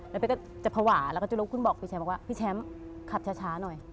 แล้วเป๊กก็จะภาวะแล้วก็จะลุกขึ้นบอกพี่แชมป์บอกว่าพี่แชมป์ขับช้าหน่อย